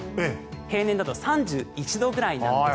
平年だと３１度くらいなんです。